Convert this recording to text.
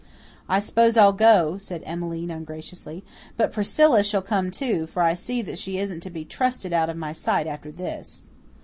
"I s'pose I'll go," said Emmeline ungraciously, "but Priscilla shall come, too, for I see that she isn't to be trusted out of my sight after this."